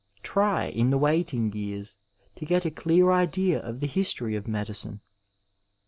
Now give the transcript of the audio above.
Try, in the waiting years, to get a clear idea of the history of medicine.